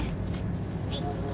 はい。